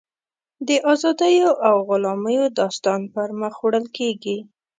د ازادیو او غلامیو داستان پر مخ وړل کېږي.